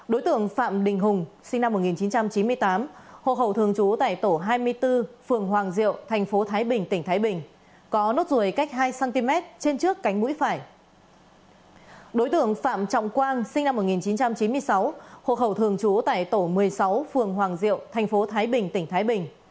đối tượng phạm trọng quang sinh năm một nghìn chín trăm chín mươi sáu hộ khẩu thường trú tại tổ một mươi sáu phường hoàng diệu tp thái bình tp thái bình